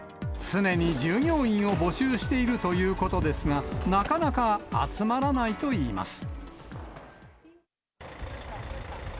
常に従業員を募集しているということですが、なかなか集まらないといいます。